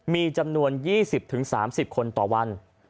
มีจำนวน๒๐๓๐คนต่อวัน